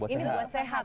ini buat sehat